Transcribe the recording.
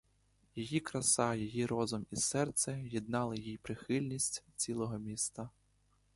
Її краса, її розум і серце єднали їй прихильність цілого міста.